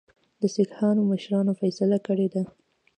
د سیکهانو مشرانو فیصله کړې ده.